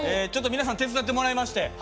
ちょっと皆さん手伝ってもらいまして。